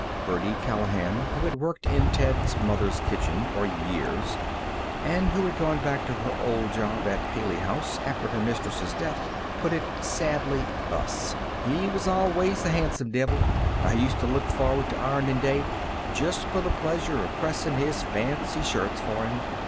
Birdie Callahan, who had worked in Ted's mother's kitchen for years, and who had gone back to her old job at the Haley House after her mistress's death, put it sadly, thus: "He was always th' han'some divil. I used to look forward to ironin' day just for the pleasure of pressin' his fancy shirts for him.